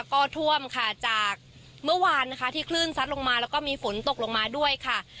ก็ท่วมค่ะจากเมื่อวานนะคะที่คลื่นซัดลงมาแล้วก็มีฝนตกลงมาด้วยค่ะ